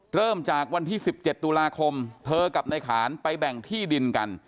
เริ่มจากวันที่๑๗ตุลาคมเธอกับในขานไปแบ่งที่ดินกัน